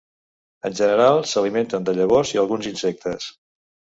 En general s'alimenten de llavors i alguns insectes.